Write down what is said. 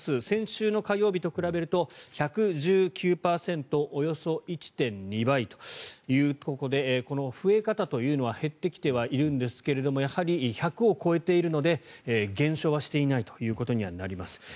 先週の火曜日と比べると１１９％およそ１．２倍というところでこの増え方というのは減ってきてはいるんですがやはり１００を超えているので減少はしていないということにはなります。